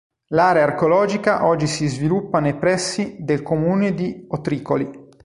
L'area archeologica oggi si sviluppa nei pressi del comune di Otricoli.